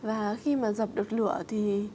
và khi mà dập được lửa thì